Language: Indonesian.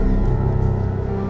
jangan sampai aku kemana mana